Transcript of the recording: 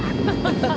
「ハハハハ！」